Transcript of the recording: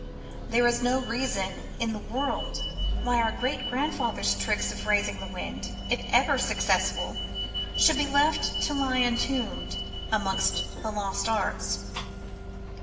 There is no reason in the world why our great grand fathers' tricks of raising the wind — if ever successful — should be left to lie entombed amongst the lost arts.